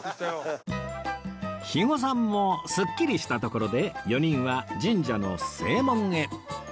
肥後さんもスッキリしたところで４人は神社の正門へ